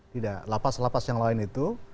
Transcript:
tidak lapas lapas yang lain itu